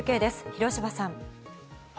広芝さん。